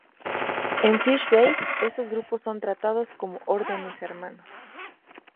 En FishBase estos grupos son tratados como órdenes hermanos.